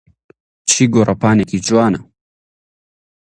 چ گۆڕەپانێکی جوانە!